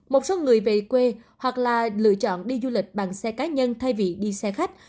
một số người về quê hoặc là lựa chọn đi du lịch bằng xe cá nhân thay vì đi xe khách